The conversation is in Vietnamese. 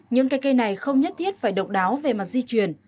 những cây cây này không nhất thiết phải độc đáo về mặt di chuyển